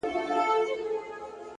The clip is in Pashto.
د سړک اوږدوالی د فکر تګ ورو کوي